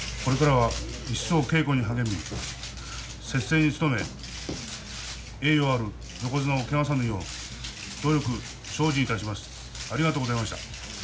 これからは一層、稽古に励み節制に努め栄誉ある横綱を汚さぬよう努力精進いたします。